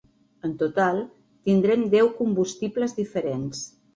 En total, tindrem deu combustibles diferents.